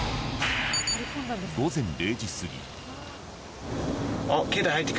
午前０時過ぎ。